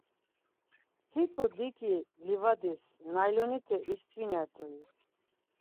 Hiǩu diki livadis naylonite ist̆vinert̆ui?